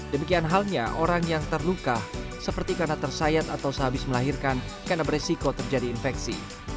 demikian halnya orang yang terluka seperti karena tersayat atau sehabis melahirkan karena beresiko terjadi infeksi